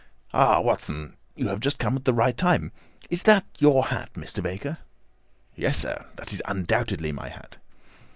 Ah, Watson, you have just come at the right time. Is that your hat, Mr. Baker?" "Yes, sir, that is undoubtedly my hat."